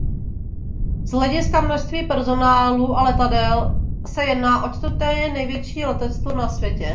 Z hlediska množství personálu a letadel se jedná o čtvrté největší letectvo na světě.